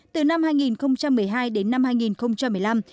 từ năm hai nghìn một mươi hai đến năm hai nghìn một mươi năm tỷ lệ đỗ đại học cao đẳng